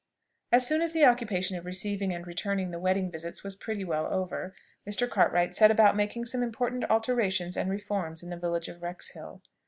As soon as the occupation of receiving and returning the wedding visits was pretty well over, Mr. Cartwright set about making some important alterations and reforms in the village of Wrexhill.